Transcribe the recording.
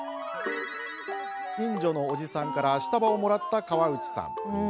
近所のおじさんからアシタバをもらった河内さん。